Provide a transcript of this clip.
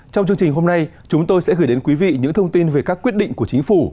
trong chương trình hôm nay chúng tôi sẽ gửi đến quý vị những thông tin về các quyết định của chính phủ